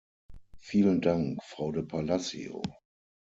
Vielen Dank, Frau de Palacio.